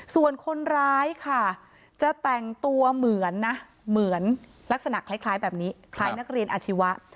ส่วนคนร้ายค่ะจะแต่งตัวเหมือนนะเหมือนลักษณะคล้ายแบบนี้คล้ายนักเรียนอาชีวะ